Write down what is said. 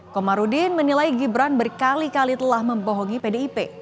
komarudin menilai gibran berkali kali telah membohongi pdip